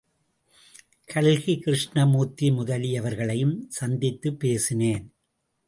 கல்கி கிருஷ்ணமூர்த்தி முதலியவர்களையும் சந்தித்துப் பேசினேன்.